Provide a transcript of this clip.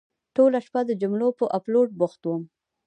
ټوله شپه د جملو په اپلوډ بوخت وم.